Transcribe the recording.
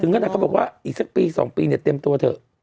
ถึงก็นะเขาบอกว่าอีกสักปี๒ปีเต็มตัวเถอะ